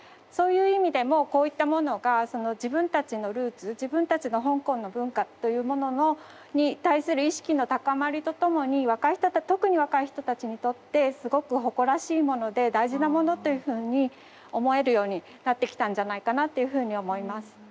そういう意味でもこういったものが自分たちのルーツ自分たちの香港の文化というものに対する意識の高まりとともに若い人特に若い人たちにとってすごく誇らしいもので大事なものというふうに思えるようなってきたんじゃないかなっていうふうに思います。